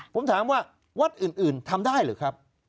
ผมถามว่าวัดอื่นทำได้หรือครับ